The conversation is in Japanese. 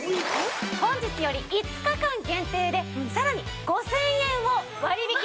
本日より５日間限定でさらに５０００円を割引致します。